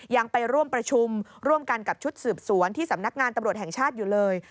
ยังไปร่วมประชุมร่วมกันกับชุดสืบสวนที่สำนักงานตำรวจแห่งชาติอยู่เลย